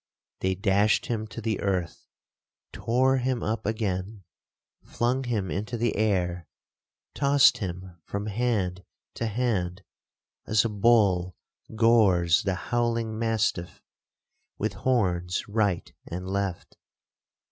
They dashed him to the earth—tore him up again—flung him into the air—tossed him from hand to hand, as a bull gores the howling mastiff with horns right and left.